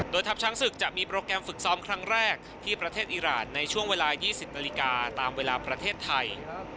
โดยทัพช้างศึกจะมีโปรแกรมฝึกซ้อมครั้งแรกที่ประเทศอิราณในช่วงเวลา๒๐นาฬิกาตามเวลาประเทศไทย